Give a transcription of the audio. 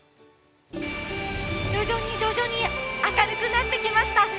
徐々に徐々に明るくなってきました。